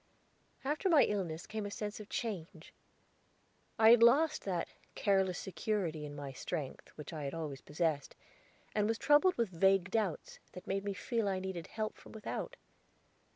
After my illness came a sense of change. I had lost that careless security in my strength which I had always possessed, and was troubled with vague doubts, that made me feel I needed help from without.